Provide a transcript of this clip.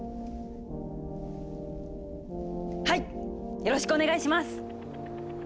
よろしくお願いします！